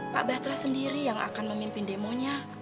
pak basra sendiri yang akan memimpin demonya